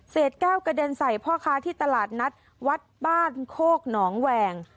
แก้วกระเด็นใส่พ่อค้าที่ตลาดนัดวัดบ้านโคกหนองแหวง